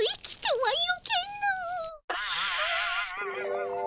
はあ。